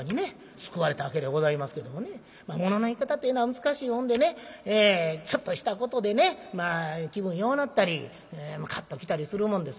救われたわけでございますけどもねまあ物の言い方っていうのは難しいもんでねちょっとしたことでねまあ気分ようなったりむかっときたりするもんです。